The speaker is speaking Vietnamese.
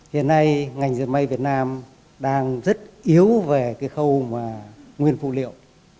hiện nay ngành dịch vụ việt nam đang rất yếu về cái khâu nguyên phụ liệu